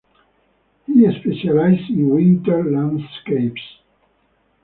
He specialized in winter landscapes.